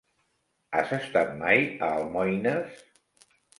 Has estat mai a Almoines?